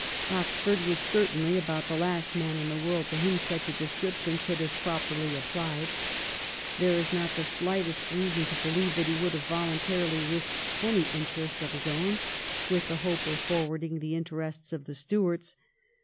Oxford was certainly about the last man in the world to whom such a description could have properly applied. There is not the slightest reason to believe that he would have voluntarily risked any interest of his own with the hope of forwarding the interests of the Stuarts.